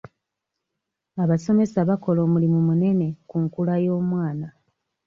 Abasomesa bakola omulimu munene ku nkula y'omwana.